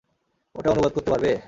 ওটা অনুবাদ করতে পারবে?